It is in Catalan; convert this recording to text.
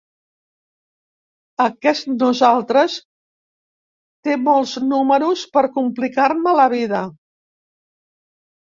Aquest nosaltres té molts números per complicar-me la vida.